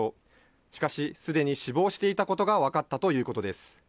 しかし、すでに死亡していたことが分かったということです。